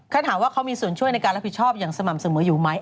ถ้าถามว่าเขามีส่วนช่วยในการรับผิดชอบอย่างสม่ำเสมออยู่ไหม